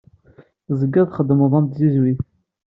Tezgiḍ txeddmeḍ am tzizwit.